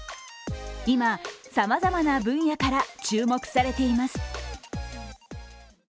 今、さまざまな分野から注目されています。